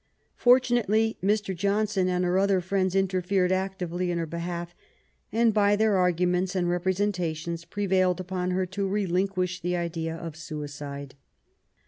Fortunately Mr. Johnson and her other friends interfered actively in her behalf, and by their arguments and representations prevailed upon her to relinquish the idea of suicide.